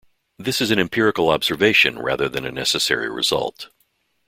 This is an empirical observation rather than a necessary result.